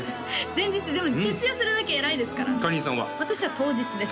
前日でも徹夜するだけ偉いですからかりんさんは？私は当日です